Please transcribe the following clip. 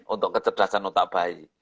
untuk kecerdasan otak bayi